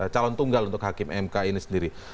calon tunggal untuk hakim mk ini sendiri